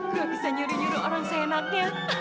nggak bisa nyuruh nyuruh orang seenaknya